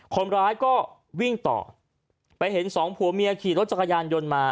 คนร้ายก็วิ่งต่อไปเห็นสองผัวเมียขี่รถจักรยานยนต์มา